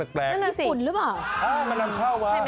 นั่นรสญี่ปุ่นหรือเปล่า